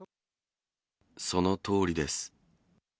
そのとおりです。